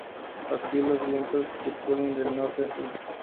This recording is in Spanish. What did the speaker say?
Aquí, los vientos circulan de norte y sur.